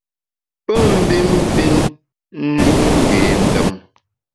Pe mbin pin nju’ ngé ndem.